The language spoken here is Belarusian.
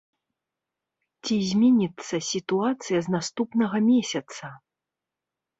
Ці зменіцца сітуацыя з наступнага месяца?